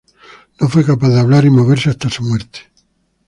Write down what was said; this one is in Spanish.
No fue capaz de hablar y moverse hasta su muerte.